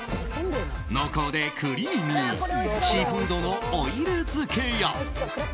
濃厚でクリーミーシーフードのオイル漬けや。